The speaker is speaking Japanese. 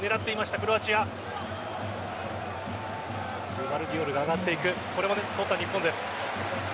グヴァルディオルが上がっていくこれも取った日本です。